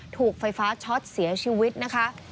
ถูกไฟฟ้าช็อตเสียชีวิตนะคะ